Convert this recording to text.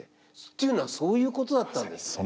っていうのはそういうことだったんですね？